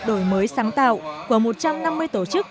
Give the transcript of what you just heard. đổi mới sáng tạo của một trăm năm mươi tổ chức